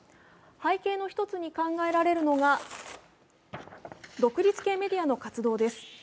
背景の１つに考えられるのが独立系メディアの活動です。